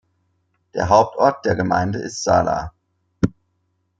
Der Hauptort der Gemeinde ist Sala.